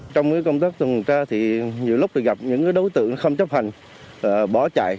trong công tác tuần tra thì nhiều lúc gặp những đối tượng không chấp hành bỏ chạy